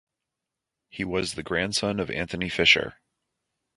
He was the grandson of Anthony Fisher.